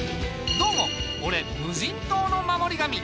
どうも俺無人島の守り神。